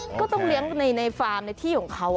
ก็ต้องเลี้ยงในฟาร์มในที่ของเขา